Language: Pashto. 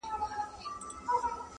ژورنالستان د ټولنې ستونزې څرګندوي